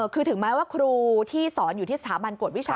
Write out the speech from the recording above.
คือถึงแม้ว่าครูที่สอนอยู่ที่สถาบันกวดวิชา